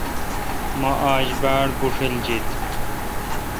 مہ آج باڑ بشیل جیت۔